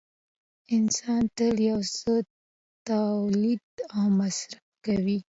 انسان تل یو څه تولید او مصرف کوي